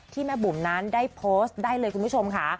แม่บุ๋มนั้นได้โพสต์ได้เลยคุณผู้ชมค่ะ